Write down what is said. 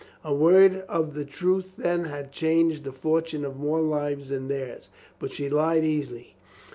A word of the truth then had changed the fortune of more lives than theirs. But she lied easily.